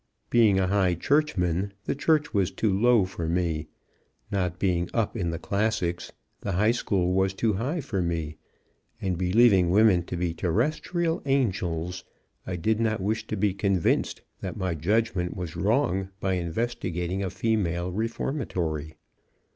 Being a high churchman, the church was too low for me; not being up in the classics, the high school was too high for me; and believing women to be terrestrial angels, I did not wish to be convinced that my judgment was wrong by investigating a female reformatory.